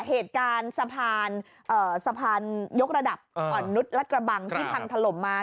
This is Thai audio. เหตุการณ์สะพานยกระดับอ่อนนุษย์รัฐกระบังที่พังถล่มมา